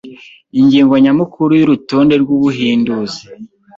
Ingingo nyamukuru yurutonde rwubuhinduzi